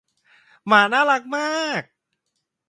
หมาน่ารักมาก